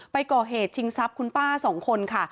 ไปก่อเหตุชิงทรัพย์คุณป้าสองคนค่ะ